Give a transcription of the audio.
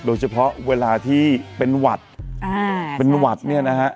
เวลาที่เป็นหวัดอ่าเป็นหวัดเนี่ยนะฮะ